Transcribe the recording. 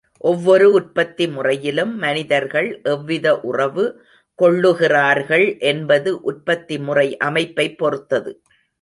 ஒவ்வொரு உற்பத்தி முறையிலும் மனிதர்கள் எவ்வித உறவு கொள்ளுகிறார்கள் என்பது உற்பத்திமுறை அமைப்பைப் பொறுத்தது.